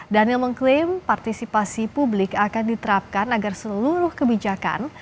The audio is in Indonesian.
daniel mengklaim partisipasi publik akan diterapkan agar seluruh kebijakan